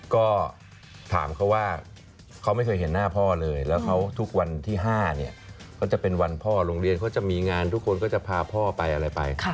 ก็ถามเขาว่าเขาไม่เคยเห็นหน้าพ่อเลยแล้วเขาทุกวันที่๕เนี่ยเขาจะเป็นวันพ่อโรงเรียนเขาจะมีงานทุกคนก็จะพาพ่อไปอะไรไป